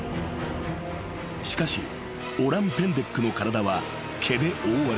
［しかしオランペンデックの体は毛で覆われている］